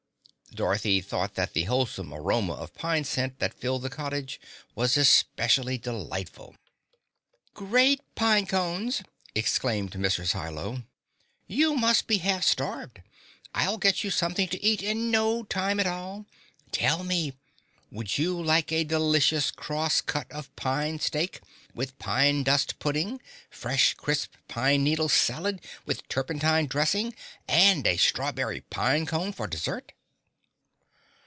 Dorothy thought that the wholesome aroma of pine scent that filled the cottage was especially delightful. "Great pine cones!" exclaimed Mrs. Hi Lo. "You must be half starved. I'll get you something to eat in no time at all. Tell me, would you like a delicious cross cut of pine steak with pine dust pudding, fresh, crisp pine needle salad with turpentine dressing and a strawberry pine cone for dessert?"